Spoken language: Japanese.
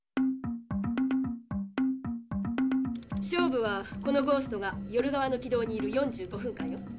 勝負はこのゴーストが夜側の軌道にいる４５分間よ。